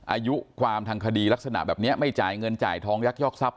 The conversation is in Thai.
อายุความทางคดีลักษณะแบบนี้ไม่จ่ายเงินจ่ายทองยักยอกทรัพย